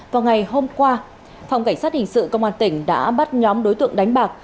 vào ngày hôm qua phòng cảnh sát hình sự công an tỉnh đã bắt nhóm đối tượng đánh bạc